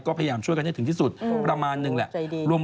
ก็พยายามช่วยกันให้ถึงที่สุดประมาณนึงแหละ